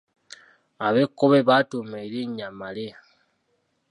Ab’Ekkobe batuuma erinnya Male.